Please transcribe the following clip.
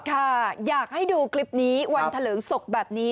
ค่ะอยากให้ดูคลิปนี้วันเถลิงศพแบบนี้